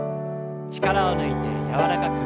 力を抜いて柔らかく。